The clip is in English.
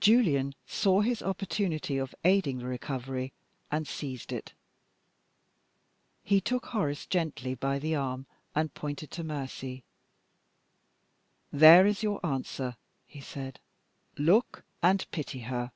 Julian saw his opportunity of aiding the recovery, and seized it. He took Horace gently by the arm, and pointed to Mercy. "There is your answer!" he said. "Look! and pity her."